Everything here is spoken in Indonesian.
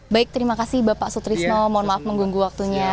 baik terima kasih bapak sutrisno mohon maaf menggugah waktunya